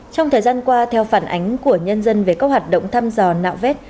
trong thời gian qua theo phản ánh của nhân dân về các hoạt động thăm dò nạo vét